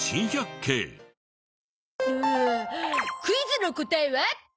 クイズの答えは。